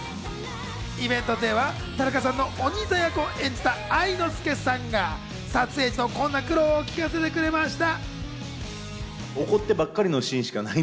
イベントでは田中さんのお兄さん役を演じた愛之助さんが撮影時のこんな苦労を聞かせてくれました。